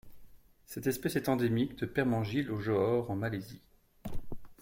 Cette espèce est endémique de Pemanggil au Johor en Malaisie.